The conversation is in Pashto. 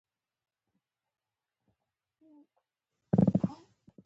هغه ټیکنالوژۍ ته وده ورکړه.